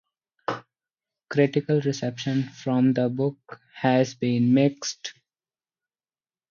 Critical reception for the book has been mixed.